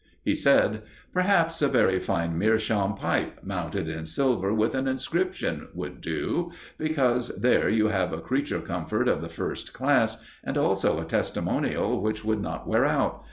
He said: "Perhaps a very fine meerschaum pipe, mounted in silver with an inscription, would do, because there you have a creature comfort of the first class and also a testimonial which would not wear out.